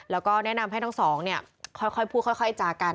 แล้วก็แนะนำให้ทั้งสองเนี่ยค่อยพูดค่อยจากัน